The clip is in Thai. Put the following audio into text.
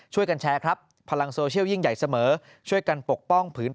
ช่วยกันแชร์ครับพลังโซเชียลยิ่งใหญ่เสมอช่วยกันปกป้องผืน